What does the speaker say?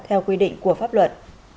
theo quy định của pháp luật